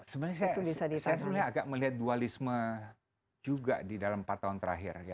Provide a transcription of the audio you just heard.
sebenarnya saya sebenarnya agak melihat dualisme juga di dalam empat tahun terakhir